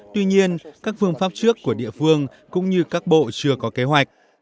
tuy nhiên các phương pháp trước của địa phương cũng như các bộ chưa có kế hoạch